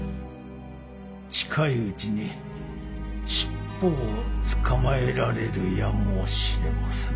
近いうちに尻尾を捕まえられるやもしれません。